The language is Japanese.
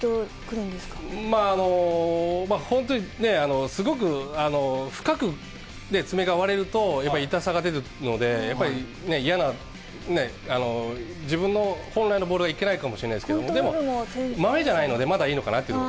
まあ、本当にね、すごく深く爪が割れると、やっぱり痛さが出るので、やっぱり嫌な、自分の本来のボールはいけないかもしれないけれども、まめじゃないので、まだいいのかなと。